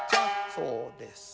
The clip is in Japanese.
そうです。